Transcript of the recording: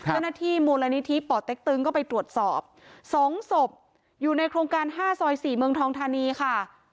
เจ้าหน้าที่มูลนิธิป่อเต็กตึงก็ไปตรวจสอบ๒ศพอยู่ในโครงการ๕ซอย๔เมืองทองธานีค่ะ